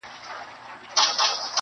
• یوه شېبه دي له رقیبه سره مل نه یمه -